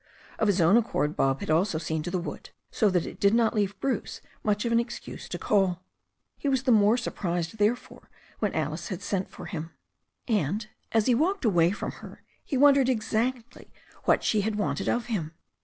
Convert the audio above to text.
Of his own accord Bob had also seen to the wood, so that it did not leave Bruce much of an excuse to call. He was the more surprised, therefore, when Alice sent for him. And as he walked away from her he wondered exactly what she had wanted of him.